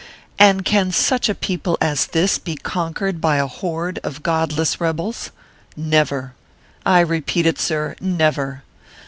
And can such a people as this be conquered by a horde of godless rebels ? Never ! I repeat it, sir never